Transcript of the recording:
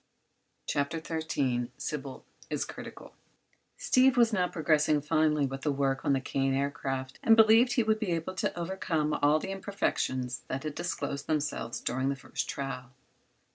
CHAPTER XIII SYBIL IS CRITICAL Steve was now progressing finely with the work on the Kane Aircraft and believed he would be able to overcome all the imperfections that had disclosed themselves during the first trial.